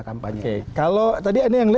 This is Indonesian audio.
kan sudah dibaca